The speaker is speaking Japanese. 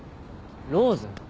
ローズ？